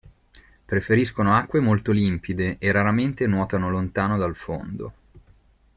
Preferiscono acque molto limpide e raramente nuotano lontano dal fondo.